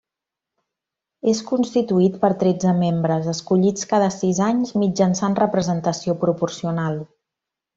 És constituït per tretze membres, escollits cada sis anys mitjançant representació proporcional.